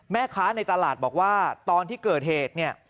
แม่ค้าในตลาดบอกว่าตอนที่เกิดเหตุเนี่ย